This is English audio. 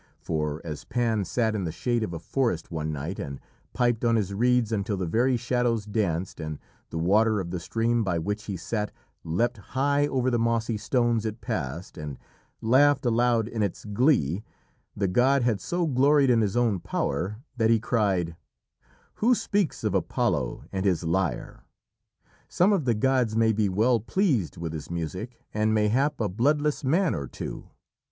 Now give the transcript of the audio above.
For as Pan sat in the shade of a forest one night and piped on his reeds until the very shadows danced, and the water of the stream by which he sat leapt high over the mossy stones it passed, and laughed aloud in its glee, the god had so gloried in his own power that he cried: "Who speaks of Apollo and his lyre? Some of the gods may be well pleased with his music, and mayhap a bloodless man or two.